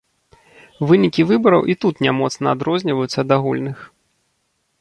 Вынікі выбараў і тут не моцна адрозніваюцца ад агульных.